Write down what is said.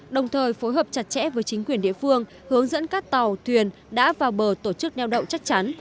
đồng thời phối hợp chặt chẽ với chính quyền địa phương hướng dẫn các tàu thuyền đã vào bờ tổ chức neo đậu chắc chắn